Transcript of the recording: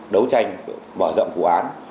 đấu tranh mở rộng của án